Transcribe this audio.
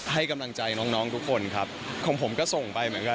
ให้กำลังใจน้องทุกคนครับผมผมก็ส่งไปนะค่ะ